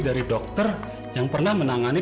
dari dokter yang pernah menangani